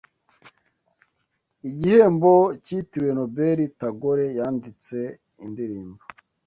Igihembo cyitiriwe Nobeli Tagore yanditse indirimbo